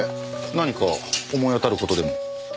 何か思い当たる事でも？